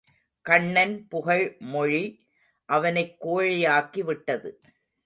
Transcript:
கண்ணன் புகழ் மொழி அவனைக் கோழையாக்கி விட்டது.